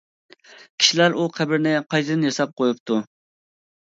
كىشىلەر ئۇ قەبرىنى قايتىدىن ياساپ قۇيۇپتۇ.